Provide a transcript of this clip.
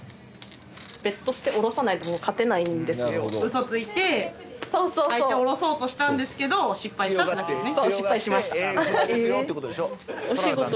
嘘ついて相手おろそうとしたんですけど失敗したってだけだね